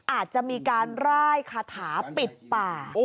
อาจจะมีการร่ายคาถาปิดป่า